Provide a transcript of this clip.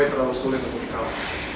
terlalu sulit untuk dikawal